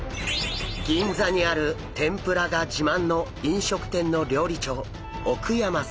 銀座にある天ぷらが自慢の飲食店の料理長奥山さん。